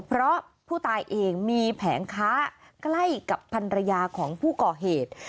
เพราะผู้ตายเองมีแผงค้าใกล้กับพันรยาของผู้ก่อเหตุ